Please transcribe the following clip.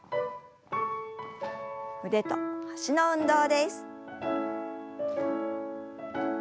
腕と脚の運動です。